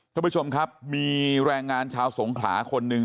ท่านผู้ชมครับมีแรงงานชาวสงขลาคนหนึ่ง